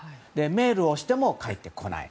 メールをしても返ってこない。